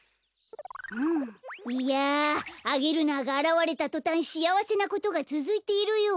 いやアゲルナーがあらわれたとたんしあわせなことがつづいているよ。